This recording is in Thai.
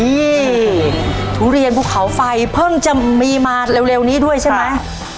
นี่ทุเรียนภูเขาไฟเพิ่งจะมีมาเร็วนี้ด้วยใช่ไหม